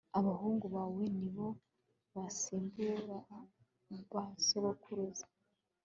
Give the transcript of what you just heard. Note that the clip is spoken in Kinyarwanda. abahungu bawe ni bo bazasimbura ba sogokuruza